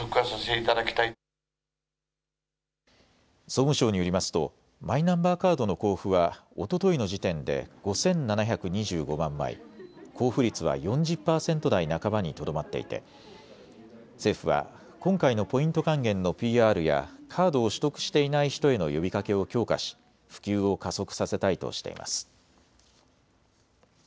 総務省によりますとマイナンバーカードの交付はおとといの時点で５７２５万枚、交付率は４０％台半ばにとどまっていて政府は今回のポイント還元のＰＲやカードを取得していない人への呼びかけを強化し普及を加速させたいとしています。